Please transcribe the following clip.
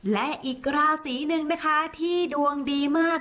และอีกราศีหนึ่งนะคะที่ดวงดีมาก